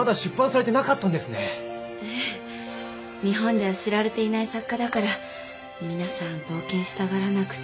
日本では知られていない作家だから皆さん冒険したがらなくて。